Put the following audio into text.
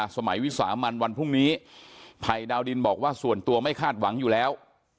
วิสามันวันพรุ่งนี้ภัยดาวดินบอกว่าส่วนตัวไม่คาดหวังอยู่แล้ว